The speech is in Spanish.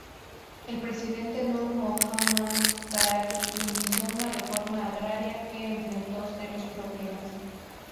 El presidente Nur Mohammad Taraki inició una reforma agraria que enfrentó serios problemas.